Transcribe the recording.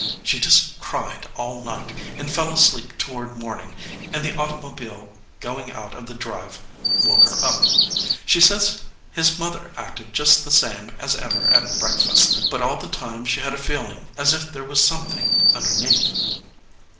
She just cried all night, and fell asleep toward morning, and the automobile going out of the drive woke her up. She says his mother acted just the same as ever at breakfast, but all the time she had a feeling as if there was something underneath.